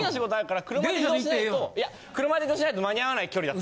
車で移動しないと間に合わない距離だった。